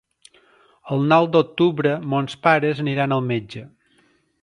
El nou d'octubre mons pares aniran al metge.